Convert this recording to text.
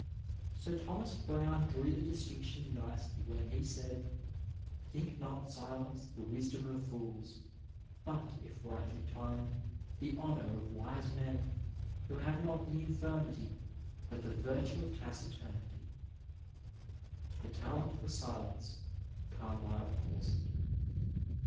Sir Thomas 159 Digitized by Google NURSE AND PATIENT Browne drew the distinction nicely when he said, ^* Think not fiulence the wisdom of fools, bat, if rightly timed, the honour of ¥nse men, who have not the infirmity but the virtae of taciturnity,'^ — ^the talent for silence Garlyle calls it.